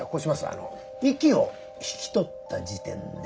あの「息を引き取った時点で」。